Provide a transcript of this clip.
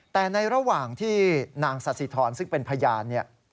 แต่ในระหว่างที่นางสาธิธรซึ่งเป็นพยานเนี่ย